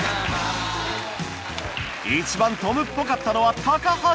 一番トムっぽかったのは橋